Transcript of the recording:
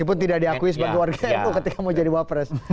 meskipun tidak diakui sebagai warga nu ketika mau jadi wapres